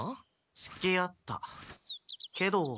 つきあったけど。